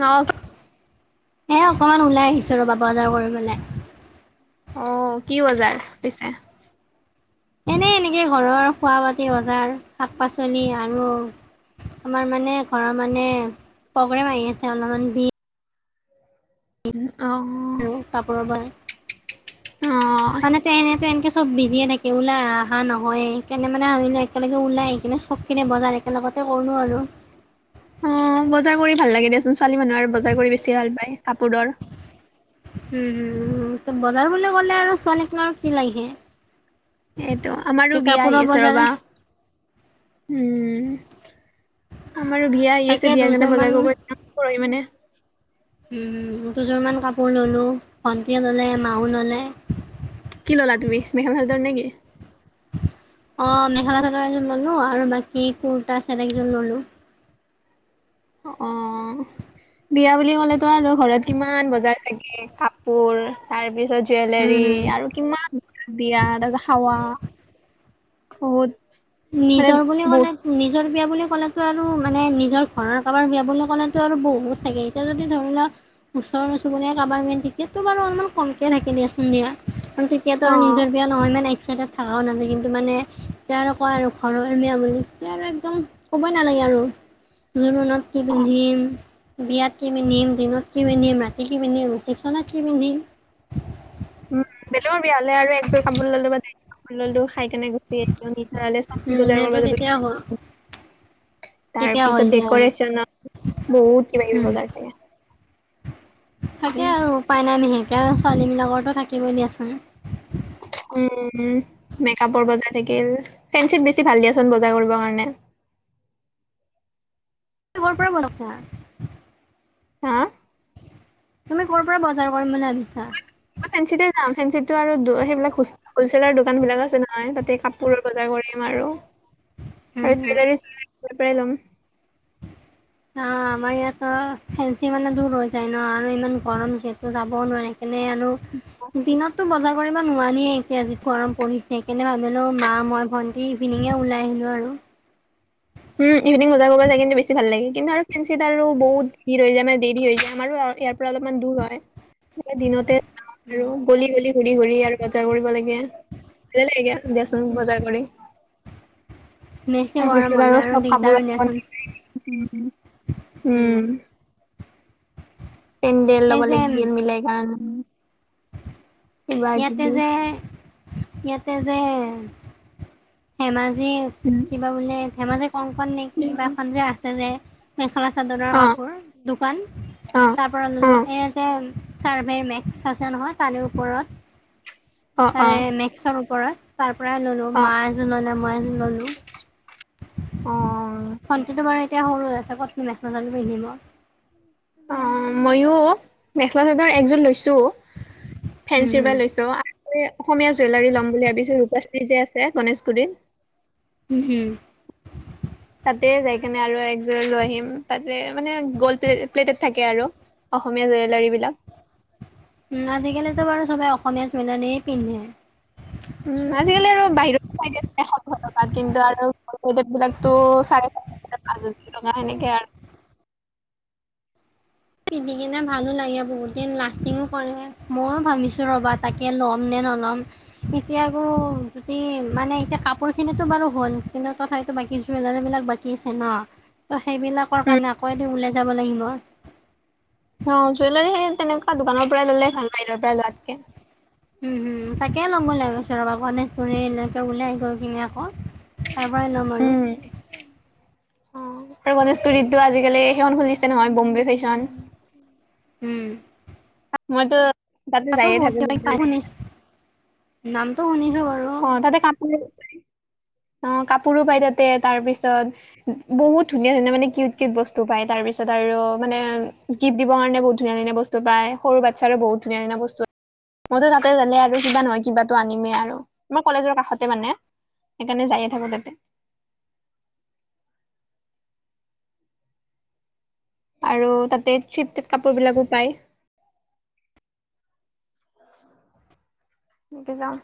নক এ অকমান ওলাই আহিছো ৰবা আজাৰ কৰিবলে। অ কি বজাৰ পিছে? এনে এনেকে ঘৰৰ খোৱা পাতি বজাৰ শাক পাচলি আৰু আমাৰ মানে ঘৰৰ মানে প্ৰগ্ৰেম আহি আছে অলপমান বি [unintelligible] আৰু কাপোৰৰ পৰা অ', মানে তেন তেনকে চব বিজ যিয়ে থাকে ওলাই অহা নহয়ে কেনে মানে আহিলো একেলগে ওলাই আহি কিনে চবখনে বজাৰ একেলগতে কৰো। কৰো অ', বজাৰ কৰি ভাল লাগে দেচুন ছোৱালী মানুহ আৰু বজাৰ কৰি বেছি ভাল পায় কাপোৰৰ। উম'-উম', বজাৰ বুলি কলে আৰু ছোৱালীক নোঁ আৰু কি লাগে? এইটো ত আমাৰো বিয়া কাপোৰৰ আহি আছে বজাৰ ৰবা। উম'। আমাৰো বিয়া আহি আছে, তাকে বিয়াৰ কাৰণে দুযোৰ বজাৰ কৰিব [unintelligible] পৰিমাণে। হুম', দুযোৰমান কাপোৰ ললো, ভণ্টিয়ে ল'লে, মাও ল'লে। কি ল'লা তুমি, মেখেলা চাদৰ নেকি? অ', মেখেলা চাদৰ এযোৰ ললো আৰু বাকী কুৰ্তা ছেট একযোৰ ললো। অ'। বিয়া বুলি ক'লেতো আৰু ঘৰত কিমান বজাৰ থাকে কাপোৰ, তাৰ পিছত জুৱেলৰী আৰু কিমান দিয়া [unintelligible] খাৱা, বহুত মানে নিজৰ বুলি ক'লে বহুত নিজৰ বিয়া বুলি কলাতো আৰু মানে নিজৰ ঘৰৰ কাৰবাৰ বিয়া বুলি কলাতো আৰু বহুত থাকে এতিয়া যদি ধৰি লোৱা ওচৰ চুবুৰীয়া কাবাৰ টিকেটটো বাৰু অলপমান কমকে থাকে দিয়াচোন দিয়া। তেতিয়াত আৰু অ', নিজৰ বিয়া নহয়, ইমান এক্সাইটেড থকাও নালাগে কিন্তু মানে কয় আৰু ঘৰৰ এমিয়া বুলি তেতিয়া আৰু একদম ক'বই নালাগে আৰু। জোৰনত কি অ'। পিন্ধিম? বিয়াত কি পিন্ধিম, দিনত কি পিন্ধিম, ৰাতি কি পিন্ধিম, ৰিচেপ্যনত কি পিন্ধিম? উম', বেলেগৰ বিয়া হলে আৰু একযোৰ কাপোৰ ললো বাযোৰ কাপোৰ ললো খাই কেনে গুচি [unintelligible] নলে চবজি উম, বজাৰ সেইটো কৰিব যাব তেতিয়া হয় [unintelligible] তাৰ তেতিয়া পিছত হৈ যায় আৰু ডেক'ৰেচন বহুত কিবা কিবি উম বজাৰ থাকে। থাকে আৰু উপায় নাই বিহেকে আৰু ছোৱালীবিলাকৰ টো থাকিবই দিয়াচোন। উম', মেকাপৰ বজাৰ থাকিল, ফেঞ্চিত বেছি ভাল দিয়াচোন বজাৰ কৰিব কাৰণে। [unintelligible] হা? তুমি কৰ পৰা বজাৰ কৰিম বুলি ভাবিছা? মই ফেঞ্চিতে যাম, ফেঞ্চিত টো আৰু সেইবিলাক হলচেলৰ দোকান বিলাক আছে নহয়? তাতে কাপোৰৰ বজাৰ কৰিম। নোৱাৰো [unintelligible] আৰু এই [unintelligible] পৰাই লম। অ', আমাৰ ইয়াত অ, ফেঞ্চি মানে দূৰ হৈ যায় ন? আৰু ইমান গৰম যিহেতু যাবও নোৱাৰি। এনে আনো, দিনততো বজাৰ কৰিব নোৱাৰিয়ে এতিয়া, যি গৰম পৰিছেই কেনে ভাবিলো মা, মই, ভন্টি ইভিনিঙে ওলাই আহিলো আৰু। [unintelligible] উম ইভিনিং বজাৰ কৰিব যায় কিন্তু বেছি ভাল লাগে। কিন্তু আৰু ফেঞ্চি আৰু বহুত ভিৰ হৈ যায় মানে দেৰি হৈ যায় আমাৰো আৰু ইয়াৰ পৰা অলপমান দূৰ হয়। দিনতে যে আৰু গলি-গলি ঘূৰি-ঘূৰি আৰু বজাৰ কৰিব লাগে। ভালে লাগে দিয়াচোন বজাৰ কৰি। বেচি গৰম তাৰপিছত হলে আৰু চব কাপোৰ দিগদাৰো দিয়াচোন, উম'। চেণ্ডেল ল'ব যে লাগ গ মিলাই কাৰণে। কিবা ইয়াতে কিবি যে, ইয়াতে যে ধেমাজি কিবা বোলে ধেমাজি কংকণ নে কি কিবা এখন যে আছে যে? মেখেলা চাদৰৰ অ কাপোৰৰ দোকান, অ তাৰ পৰা অ অ ল'লোঁ। এয়াযে ছাৰ্ভেৰ মেক্স আছে নহয় তাৰে ওপৰত। অ তাৰে মেক্সৰ ওপৰত। তাৰ পৰাই ললো, অ অ মা এযোৰ ললে, মই এযোৰ ললো। অ ভন্টিটো বাৰু এতিয়া সৰু হৈ আছে ক'তনু মেখেলা চাদৰ পিন্ধিব? অ', মইও, মেখেলা চাদৰ একজন লৈছো। হুম ফেঞ্চিৰ হুম পৰা লৈছো আৰু অসমীয়া জুৱেলাৰি লম বুলি ভাবিছো। ৰূপা যে আছে গণেশগুৰিত? উম'। তাতে যাই কেনে আৰু একযোৰ লৈ আহিম তাতে মানে গ'ল্ড প্লেটত থাকে আৰু। অসমীয়া জুৱেলাৰী বিলাক উম আজিকালিতো বাৰু চবে অসমীয়া জুৱেলাৰীই পিন্ধে। ৰ টকাত কিন্তু আৰু বিলাকো চাৰে চ এনেকে আৰু [unintelligible] পিন্ধি কিনে ভালো লাগে বহুত দিন লাষ্টিং কৰে ময়ো ভাবিছো ৰবা তাকে ল'ম নে নল'ম এতিয়া আকৌ যদি মানে এতিয়া কাপোৰ খিনিতো বাৰু হ'ল কিন্তু তথাপিতো বাকী জুৱেলাৰী বিলাক বাকী আছে ন। সেইবিলাকৰ উম কাৰণে আকৌ এদিন ওলাই যাব লাগিব। অ জুৱেলাৰী তেনেকুৱা দোকানৰ পৰাই ল'লে ভাল বাহিৰৰ পৰাই লোৱাতকে। উম হম তাকে লম বুলি ভাবিছো লাগ ওচৰ পৰা গণেশগুৰিলৈকে ওলাই গৈ কিননে আকৌ। তাৰ পৰাই লম আৰু অ আৰু গণেশ গুৰিতটো আজিকালি সেইখন খুলিছে নহয় বম্বে ফেশ্বন। হম মইতো তাতে যায়ে থাকো পাই শুনিছোঁ নামটো শুনিছো। অ তাতে কানফুলি। অ কাপোৰো পাই তাতে তাৰ পিছত বহুত ধুনীয়া ধুনীয়া মানে কিউট কিউট বস্তু পায় তাৰ পিছত। তাৰপিছত আৰু মানে গিফ্ট দিবৰ কাৰণে বহুত ধুনীয়া ধুনীয়া বস্তু পায়। সৰু বাচ্ছাৰো বহুত ধুনীয়া ধুনীয়া বস্তু। মইতো তাতে জালে আৰু কিবা নহয় কিবা আনিমেই আৰু আমাৰ কলেজৰ কাষতে মানে। সেইকাৰণে যায়ে থাকো তাতে। [unintelligible] আৰু তাতে কিউট কিউত কাপোৰ বিলাকো পায়। এনেকে যাম।